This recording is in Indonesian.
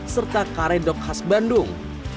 serta kare dok khas bandung